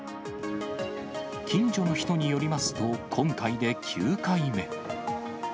近所の人によりますと、今回で９回目。